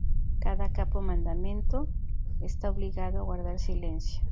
Cada capo-mandamento está obligado a guardar silencio.